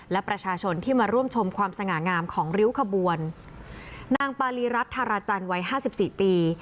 และประชาชนที่มาร่วมชมความสง่างามของริ้วขบวนนางปารีรัฐธาราจันทร์วัยห้าสิบสี่ปี